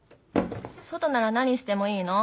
外なら何してもいいの？